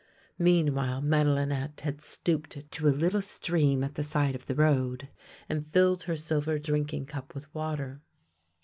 Meanwhile Madelinette had stooped to a little stream at the side of the road and filled her silver drinking cup with water.